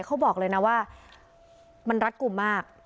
เขาบอกเลยนะว่ามันรัดกลุ่มมาก